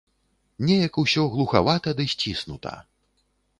Неяк усё глухавата ды сціснута.